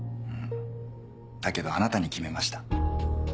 だけどあなたに決めました。